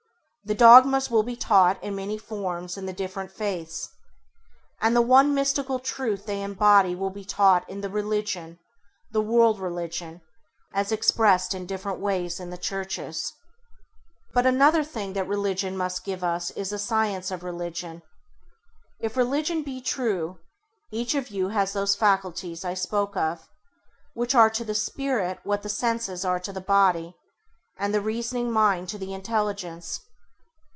The dogmas will be taught in many forms in the different faiths, and the one mystical truth they embody will be taught in the religion, the World Religion, as expressed in different ways in the Churches. But another thing that religion must give us is a science of religion. If religion be true, each of you has those faculties I spoke of, which are to the Spirit what the senses are to the body, and the reasoning mind to the intelligence.